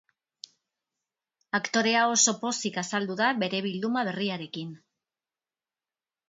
Aktorea oso pozik azaldu da bere bilduma berriarekin.